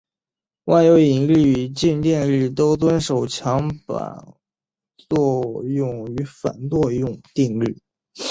万有引力与静电力都遵守强版作用与反作用定律。